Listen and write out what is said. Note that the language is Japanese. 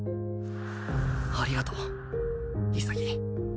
ありがとう潔。